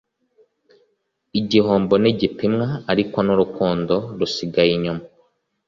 igihombo ntigipimwa ariko n'urukundo rusigaye inyuma